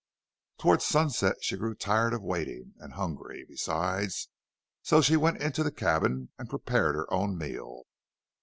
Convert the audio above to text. Toward sunset she grew tired of waiting, and hungry, besides, so she went into the cabin and prepared her own meal.